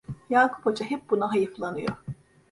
Yakup Hoca hep buna hayıflanıyor…